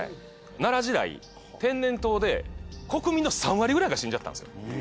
奈良時代天然痘で国民の３割くらいが死んじゃったんですよ。